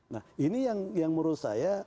nah ini yang menurut saya